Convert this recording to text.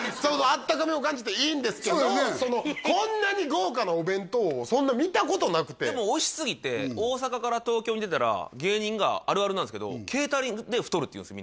あったかみを感じていいんですがこんなに豪華なお弁当をそんな見たことなくてでもおいしすぎて大阪から東京に出たら芸人があるあるなんすけどって言うんです